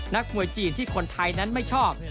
นักมวยจีนที่คนไทยนั้นไม่ชอบ